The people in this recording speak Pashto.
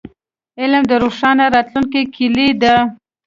علم د روښانه راتلونکي کیلي ده.